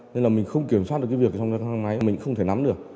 nên là mình không kiểm soát được cái việc trong thang máy mình không thể nắm được